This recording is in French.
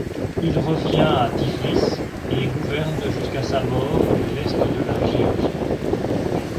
Il revient à Tiflis et gouverne jusqu’à sa mort l’est de la Géorgie.